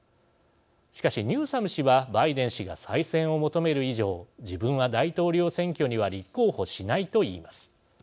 しかしニューサム氏はバイデン氏が再選を求める以上自分は大統領選挙には立候補しないと言います。